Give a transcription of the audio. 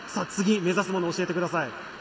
次、目指すものを教えてください。